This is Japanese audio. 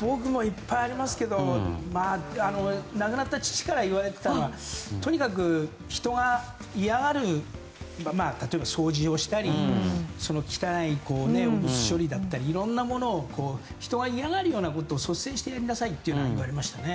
僕もいっぱいありますけど亡くなった父から言われたのはとにかく人が嫌がる例えば掃除をしたり汚い汚物処理だったりいろんなものを人が嫌がるようなことを率先してやりなさいと言われましたね。